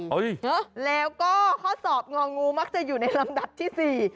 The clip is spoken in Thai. แล้วก็ข้อสอบงองูมักจะอยู่ในลำดับที่สี่